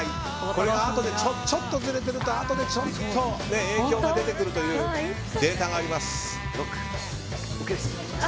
これが、あとでちょっとずれていると影響が出てくるというデータがあります。